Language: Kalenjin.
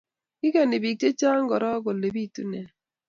Ikenyi bik che chang koro kole pitu ne